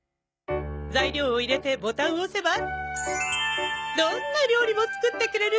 材料を入れてボタンを押せばどんな料理も作ってくれるんです。